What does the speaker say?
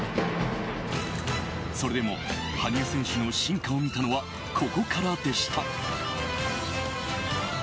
それでも羽生選手の真価を見たのはここからでした。